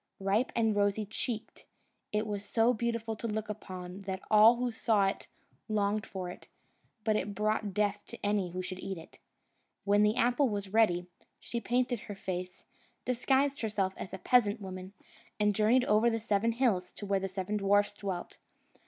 Ripe and rosy cheeked, it was so beautiful to look upon, that all who saw it longed for it; but it brought death to any who should eat it. When the apple was ready, she painted her face, disguised herself as a peasant woman, and journeyed over the seven hills to where the seven dwarfs dwelt.